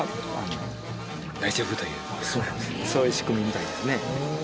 そういう仕組みみたいですね。